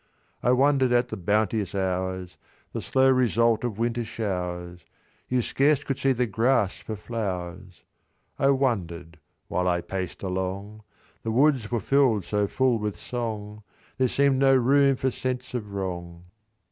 I wonder'd at the bounteous hours, The slow result of winter showers: You scarce could see the grass for flowers. I wonder'd, while I paced along: The woods were fill'd so full with song, There seem'd no room for sense of wrong.